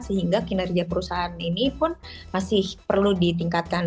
sehingga kinerja perusahaan ini pun masih perlu ditingkatkan